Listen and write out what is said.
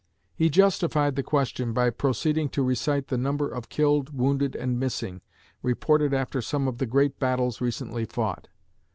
He justified the question by proceeding to recite the number of killed, wounded, and missing, reported after some of the great battles recently fought.